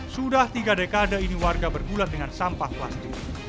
sudah tiga dekade ini warga bergulat dengan sampah plastik